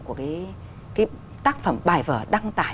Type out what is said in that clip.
của cái tác phẩm bài vở đăng tải